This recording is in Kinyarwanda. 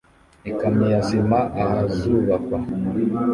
Ikamyo ya sima ahazubakwa